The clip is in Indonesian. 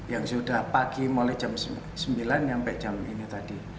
yang sudah pagi mulai jam sembilan sampai jam ini tadi